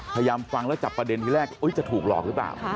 พยายามฟังแล้วจับประเด็นที่แรกจะถูกหลอกหรือเปล่า